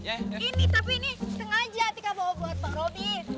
ini tapi ini sengaja tika bawa buat bang robi